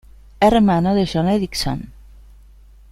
Hermano de John Ericsson.